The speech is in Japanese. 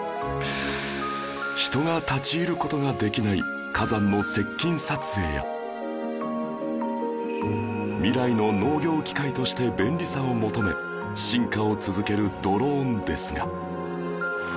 人が立ち入る事ができない未来の農業機械として便利さを求め進化を続けるドローンですが